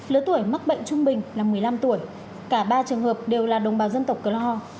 lớ tuổi mắc bệnh trung bình là một mươi năm tuổi cả ba trường hợp đều là đồng bào dân tộc cơ lo ho